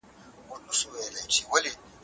پانګونه بايد د کاري فرصتونو د زياتوالي سبب سي.